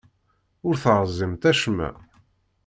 Ur terẓimt acemma.